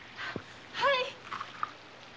はい。